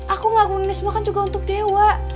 aku ngagumin semua kan juga untuk dewa